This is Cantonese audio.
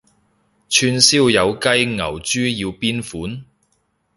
串燒有雞牛豬要邊款？